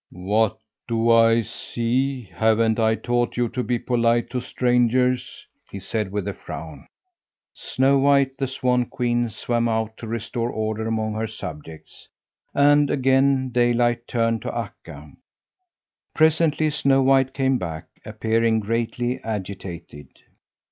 "What do I see? Haven't I taught you to be polite to strangers?" he said with a frown. Snow White, the swan queen, swam out to restore order among her subjects, and again Daylight turned to Akka. Presently Snow White came back, appearing greatly agitated.